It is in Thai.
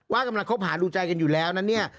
ว่ากำลังคบหารู้ใจกันอยู่แล้วนะเนี่ย